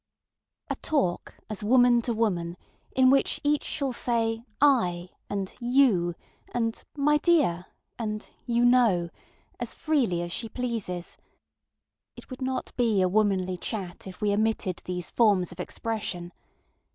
A TALK as woman to woman, in which each shall say, ŌĆ£IŌĆØ and ŌĆ£you, ŌĆØ and ŌĆ£my dear, ŌĆØ and ŌĆ£you know, ŌĆØ as freely as she pleases. It would not be a womanly chat if we omitted these forms of expression.